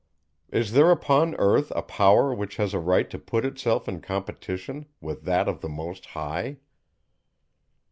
Is there upon earth a power which has a right to put itself in competition with that of the Most High?